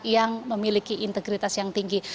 yang memiliki integritas yang tinggi